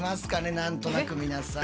何となく皆さん。